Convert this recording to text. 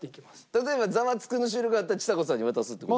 例えば『ザワつく！』の収録があったらちさ子さんに渡すって事？